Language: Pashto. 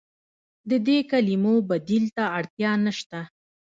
د دې کلمو بدیل ته اړتیا نشته.